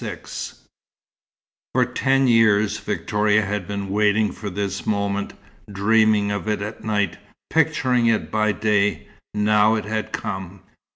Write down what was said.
XXXVI For ten years Victoria had been waiting for this moment, dreaming of it at night, picturing it by day. Now it had come.